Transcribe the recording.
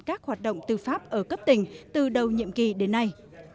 các hoạt động tư pháp ở cấp tỉnh từ đầu nhiệm kỳ đến nay